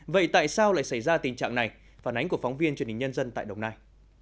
vậy tại sao lại xảy ra tình trạng này phản ánh của phóng viên truyền hình nhân dân tại đồng nai